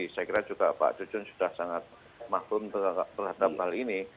saya kira juga pak cucun sudah sangat maklum terhadap hal ini